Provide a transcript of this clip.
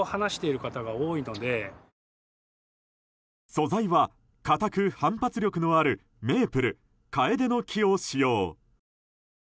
素材は硬く反発力のあるメープル、カエデの木を使用。